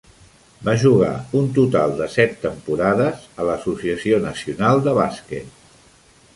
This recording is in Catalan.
Va jugar un total de set temporades a l'Associació Nacional de bàsquet.